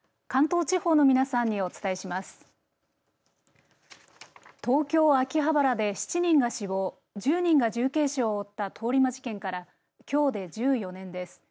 東京、秋葉原で７人が死亡１０人が重軽傷を負った通り魔事件からきょうで１４年です。